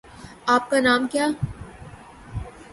آپ کا نام کیا